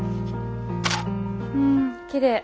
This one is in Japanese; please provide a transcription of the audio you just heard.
うんきれい。